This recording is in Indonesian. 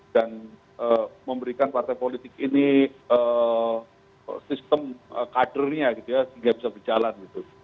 dan memberikan partai politik ini sistem kadernya sehingga bisa berjalan